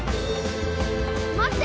待って！